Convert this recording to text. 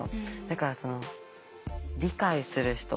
だから理解する人